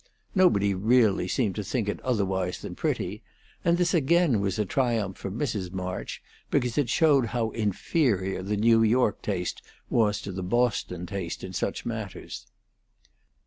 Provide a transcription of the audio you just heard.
Nobody really seemed to think it otherwise than pretty; and this again was a triumph for Mrs. March, because it showed how inferior the New York taste was to the Boston taste in such matters.